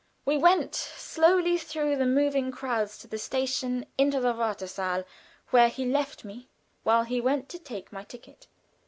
We went slowly through the moving crowds to the station, into the wartesaal, where he left me while he went to take my ticket.